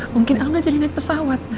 mungkin al gak jadi naik pesawat